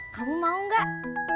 kamu mau gak